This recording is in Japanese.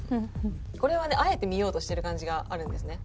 これはねあえて見ようとしてる感じがあるんですね。